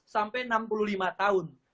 enam belas sampai enam puluh lima tahun